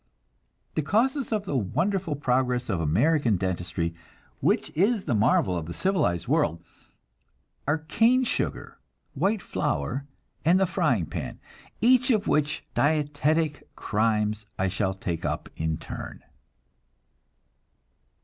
The causes of the wonderful progress of American dentistry, which is the marvel of the civilized world, are cane sugar, white flour, and the frying pan, each of which dietetic crimes I shall take up in turn.